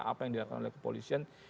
apa yang dilakukan oleh kepolisian